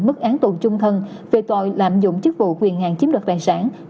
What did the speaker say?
mức án tù chung thân về tội lạm dụng chức vụ quyền hàng chiếm đoạt đại sản